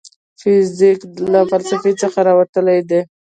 فزیک له فلسفې څخه راوتلی دی.